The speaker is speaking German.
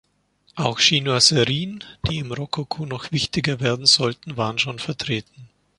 Auch Chinoiserien, die im Rokoko noch wichtiger werden sollten, waren schon vertreten.